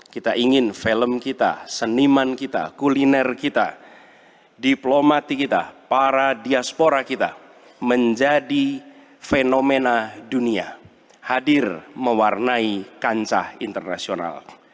kita ingin film kita seniman kita kuliner kita diplomati kita para diaspora kita menjadi fenomena dunia hadir mewarnai kancah internasional